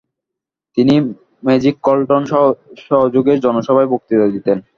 তিনি 'ম্যাজিকলন্ঠন' সহযোগে জনসভায় বক্তৃতা দিতেন।